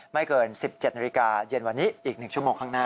ไม่เกินสิบเจ็ดนาฬิกาเย็นวันนี้อีกหนึ่งชั่วโมงข้างหน้า